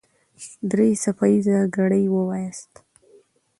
درې څپه ايزه ګړې وواياست.